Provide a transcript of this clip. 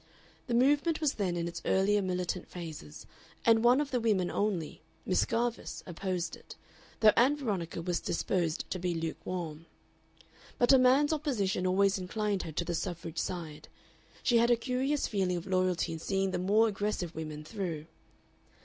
The movement was then in its earlier militant phases, and one of the women only, Miss Garvice, opposed it, though Ann Veronica was disposed to be lukewarm. But a man's opposition always inclined her to the suffrage side; she had a curious feeling of loyalty in seeing the more aggressive women through.